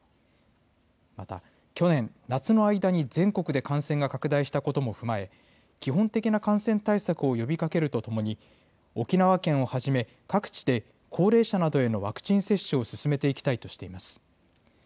また、去年、夏の間に全国で感染が拡大したことも踏まえ、基本的な感染対策を呼びかけるとともに、沖縄県をはじめ、各地で高齢者などへのワクチン接種を進めていきたいとしています。